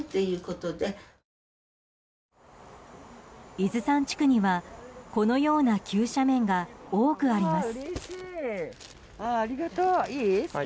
伊豆山地区には、このような急斜面が多くあります。